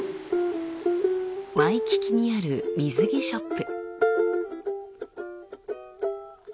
ワイキキにある水着ショップ。